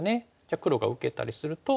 黒が受けたりすると。